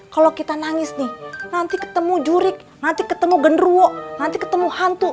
kalau kita nangis nih nanti ketemu jurik nanti ketemu genruwo nanti ketemu hantu